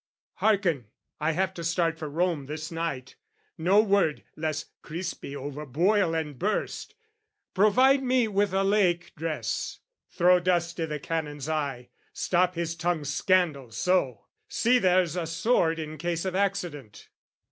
"Hearken, I have to start for Rome this night. "No word, lest Crispi overboil and burst! "Provide me with a laic dress! Throw dust "I' the Canon's eye, stop his tongue's scandal so! "See there's a sword in case of accident."